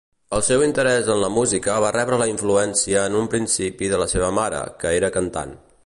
El seu interès en la música va rebre la influència en un principi de la seva mare, que era cantant.